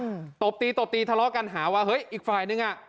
ตบตีตบตีทะเลาะกันหาว่าเฮ้ยอีกฝ่ายนึงอ่ะ